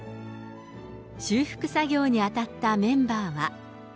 修復作業に当たったメンバーは。